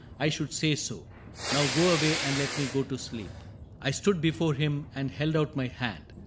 I should say so. Now go away and let me go to sleep." I stood before him and held out my hand.